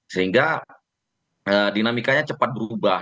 sehingga dinamikanya cepat berubah